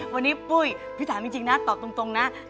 วันนี้ปุ้ยพี่ถามจริงนะตอบตรงนะ